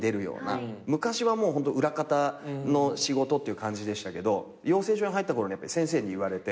昔はホント裏方の仕事っていう感じでしたけど養成所に入った頃に先生に言われて。